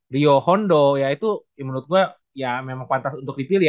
rio hondo ya itu menurut gue ya memang pantas untuk dipilih ya